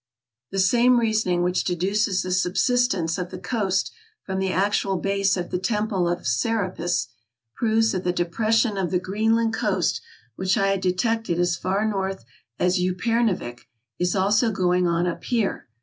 The same reasoning which deduces the subsidence of the coast from the actual base of the Temple of Serapis, proves that the depression of the Greenland coast, which I had de tected as far north as Upernavik, is also going on up here.